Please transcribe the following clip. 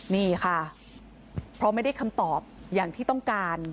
นี่ค่ะเพราะไม่ได้คำตอบอย่างที่ต้องการ